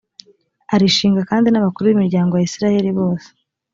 arishinga kandi n’abakuru b’imiryango ya israheli bose.